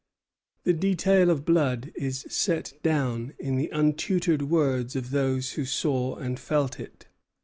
The detail of blood is set down in the untutored words of those who saw and felt it.